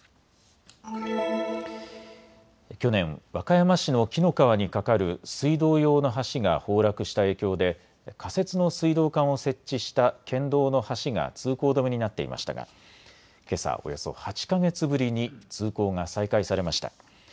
去年、和歌山市の紀の川に架かる水道用の橋が崩落した影響で仮設の水道管を設置した県道の橋が通行止めになっていましたが、けさ、およそ８か月ぶりに通行が再開されました。